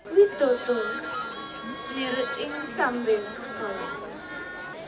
waduh ini adalah rambut gimbal